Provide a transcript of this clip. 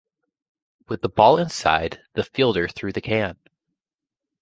With the ball inside, the fielder threw the can.